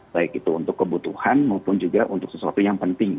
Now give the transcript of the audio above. baik itu untuk kebutuhan maupun juga untuk sesuatu yang penting